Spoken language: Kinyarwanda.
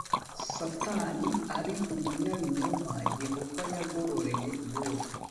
Satani ari umunyabinyoma Yehova yagororeye Yobu